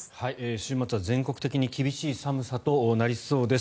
週末は全国的に厳しい寒さとなりそうです。